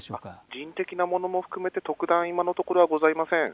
人的なものも含めて今のところはございません。